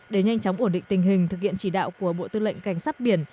để nhanh chóng ổn định tình hình thực hiện chỉ đạo của bộ tư lệnh cảnh sát biển